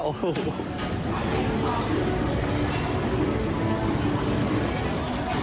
ต้มประวัติอะไรไม่รู้